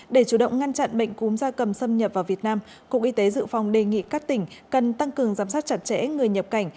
để chủ động ngăn chặn bệnh cúm gia cầm xâm nhập vào việt nam cục y tế dự phòng đề nghị các tỉnh cần tăng cường giám sát chặt chẽ người nhập cảnh